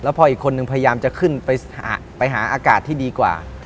พออีกคนนึงพยายามจะขึ้นไปหาอากาศที่ดีกว่า